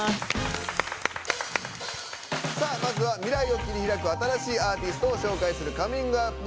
まずは未来を切り開く新しいアーティストを紹介する「ＣｏｍｉｎｇＵｐ！」。